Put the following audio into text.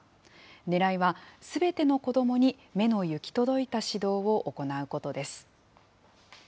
ねらいはすべての子どもに目の行き届いた指導を行うことです。